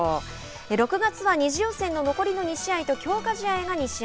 ６月は２次予選の残りの２試合と強化試合が２試合。